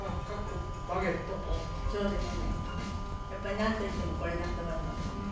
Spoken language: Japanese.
やっぱり何と言ってもこれだと思います